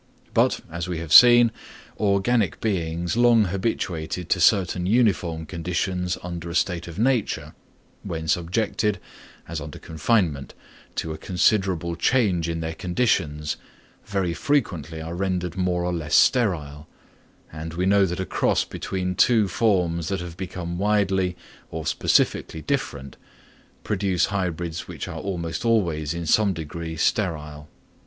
But, as we have seen, organic beings long habituated to certain uniform conditions under a state of nature, when subjected, as under confinement, to a considerable change in their conditions, very frequently are rendered more or less sterile; and we know that a cross between two forms that have become widely or specifically different, produce hybrids which are almost always in some degree sterile.